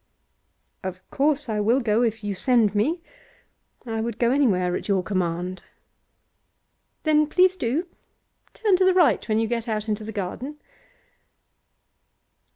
'Of course I will go if you send me. I would go anywhere at your command.' 'Then please do. Turn to the right when you get out into the garden.